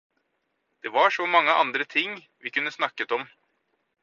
Det var så mange andre ting vi kunne snakket om.